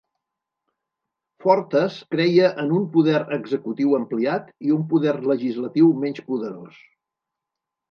Fortas creia en un poder executiu ampliat i un poder legislatiu menys poderós.